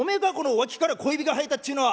わきから小指が生えたっちゅうのは。